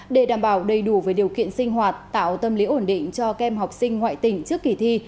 để đảm bảo đầy đủ về điều kiện sinh hoạt tạo tâm lý ổn định cho kem học sinh ngoại tỉnh trước kỳ thi